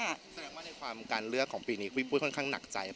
แสดงว่าในความการเลือกของปีนี้พี่ปุ้ยค่อนข้างหนักใจ